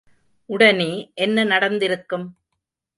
உடனே என்ன நடந்திருக்கும்?